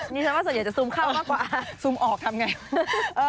ฉันว่าส่วนใหญ่จะซูมเข้ามากกว่าซูมออกทำไง